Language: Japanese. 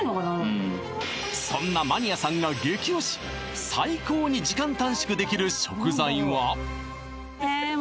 うんそんなマニアさんが激推し最高に時間短縮できる食材は？